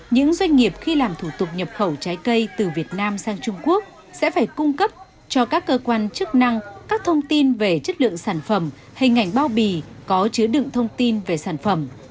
những doanh nghiệp khi làm thủ tục nhập khẩu trái cây từ việt nam sang trung quốc sẽ phải cung cấp cho các cơ quan chức năng các thông tin về chất lượng sản phẩm hay ngành bao bì có chứa đựng thông tin về sản phẩm